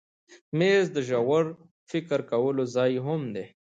مېز د ژور فکر کولو ځای هم دی.